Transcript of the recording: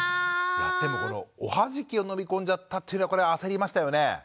いやでもおはじきを飲み込んじゃったっていうのはこれは焦りましたよね。